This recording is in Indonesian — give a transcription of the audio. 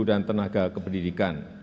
dan tenaga kependidikan